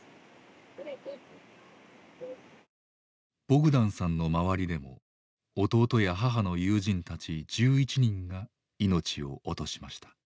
ボグダンさんの周りでも弟や母の友人たち１１人が命を落としました。